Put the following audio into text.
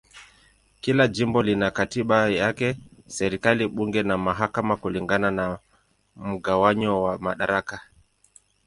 Kila jimbo lina katiba yake, serikali, bunge na mahakama kulingana na mgawanyo wa madaraka.